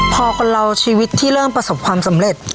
พอคนเราชีวิตที่เริ่มประสบความสำเร็จ